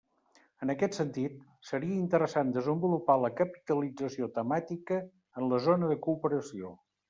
En aquest sentit, seria interessant desenvolupar la capitalització temàtica en la zona de cooperació.